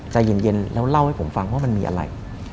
ใจเย็นแล้วเล่าให้ผมฟังว่ามันมีอะไร